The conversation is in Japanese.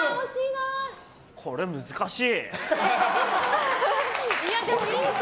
これ難しい！